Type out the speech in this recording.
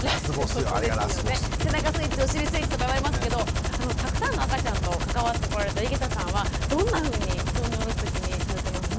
背中スイッチお尻スイッチとか言われますけどたくさんの赤ちゃんと関わってこられた井桁さんはどんなふうに布団に下ろす時にされてますか？